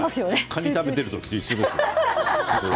カニを食べている時と一緒です。